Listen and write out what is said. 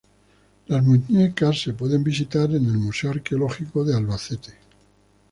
Las muñecas se pueden visitar en el Museo Arqueológico de Albacete.